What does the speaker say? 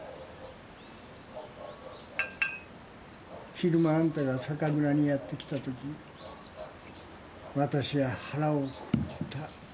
昼間あんたが酒蔵にやって来た時わたしは腹をくくった。